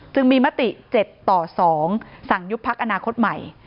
จึงมีมติ๗ต่อ๒สั่งยุบพักอนาคตใหม่